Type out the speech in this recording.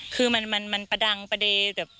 คือมันประดังประเด็นแบบ